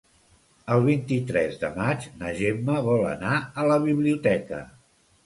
El vint-i-tres de maig na Gemma vol anar a la biblioteca.